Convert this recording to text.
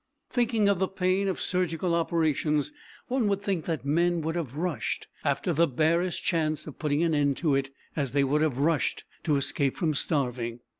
Thinking of the pain of surgical operations, one would think that men would have rushed after the barest chance of putting an end to it as they would have rushed to escape from starving.